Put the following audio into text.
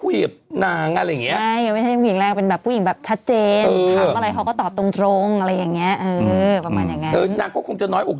แล้วนางก็คงจะอุกน้อยใจนึกออกนึง